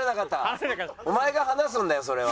お前が離すんだよそれは。